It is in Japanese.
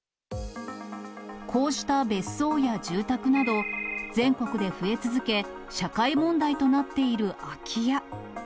こうした別荘や住宅など、全国で増え続け、社会問題となっている空き家。